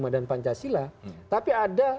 dan pancasila tapi ada